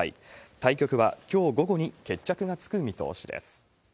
対局はきょう午後に決着がつく見通しです。